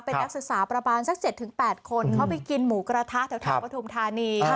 เป็นนักศึกษาประมาณสัก๗๘คนเขาไปกินหมูกระทะแถวปฐุมธานี